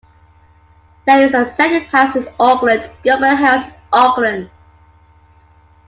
There is a second house in Auckland, Government House, Auckland.